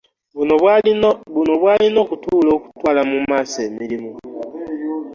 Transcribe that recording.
Buno obwalina okutuula okutwala mu maaso emirimu